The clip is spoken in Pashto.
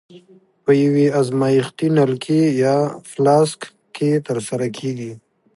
په یوې ازمایښتي نلکې یا فلاسک کې ترسره کیږي.